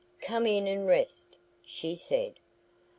"Come in and rest," she said.